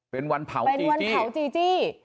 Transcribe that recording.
เป็นวันเผาจีจี้